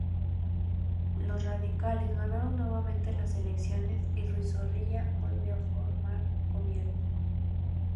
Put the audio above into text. Los radicales ganaron nuevamente las elecciones y Ruiz Zorrilla volvió a formar gobierno.